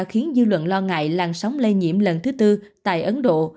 khiến dư luận lo ngại làn sóng lây nhiễm lần thứ tư tại ấn độ